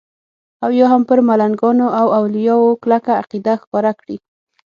او یا هم پر ملنګانو او اولیاو کلکه عقیده ښکاره کړي.